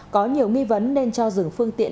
có nhiều nghi vấn nên cho dừng phương tiện